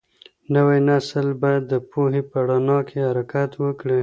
نوی نسل باید د پوهې په رڼا کي حرکت وکړي.